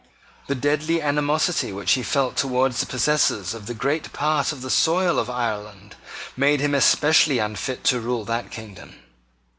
The deadly animosity which he felt towards the possessors of the greater part of the soil of Ireland made him especially unfit to rule that kingdom.